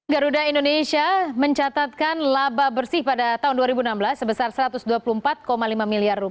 garuda indonesia mencatatkan laba bersih pada tahun dua ribu enam belas sebesar rp satu ratus dua puluh empat lima miliar